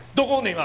今。